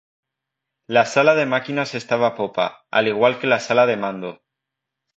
La sala de máquinas estaba a popa, al igual que la sala de mando.